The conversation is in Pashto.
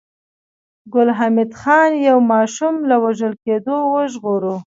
ګل حمید خان يو ماشوم له وژل کېدو وژغوره